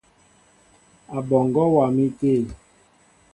Aɓɔŋgɔ wá mi té.